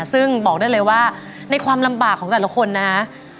ซึ่งบอกได้เลยว่าในความลำบากของแต่ละคนนะฮะ